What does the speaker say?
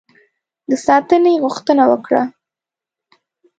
د ساتنې غوښتنه وکړه.